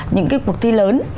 những cái cuộc thi lớn